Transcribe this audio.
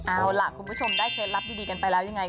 เอาล่ะคุณผู้ชมได้เคล็ดลับดีกันไปแล้วยังไง